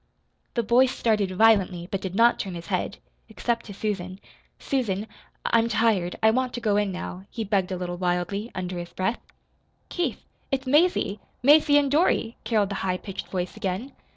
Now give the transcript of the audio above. The boy started violently, but did not turn his head except to Susan. "Susan, I I'm tired. I want to go in now," he begged a little wildly, under his breath. "Keith, it's Mazie Mazie and Dorothy," caroled the high pitched voice again.